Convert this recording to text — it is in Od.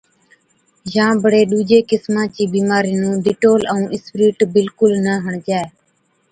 يان بڙي ڏُوجي قِسما چِي بِيمارِي نُون ڊيٽول ائُون اِسپرِيٽ بِلڪُل نہ هڻجَي